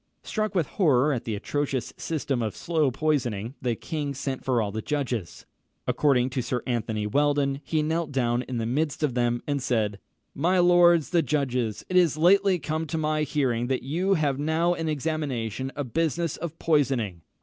Struck with horror at the atrocious system of slow poisoning, the king sent for all the judges. According to Sir Anthony Weldon, he knelt down in the midst of them, and said, "My lords the judges, it is lately come to my hearing that you have now in examination a business of poisoning.